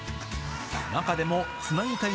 中でもつなぎたい！